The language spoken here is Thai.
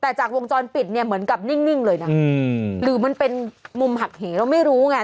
แต่จากวงจรปิดเนี่ยเหมือนกับนิ่งเลยนะหรือมันเป็นมุมหักเหเราไม่รู้ไง